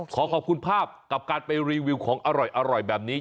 ขอขอบคุณภาพกับการไปรีวิวของอร่อยแบบนี้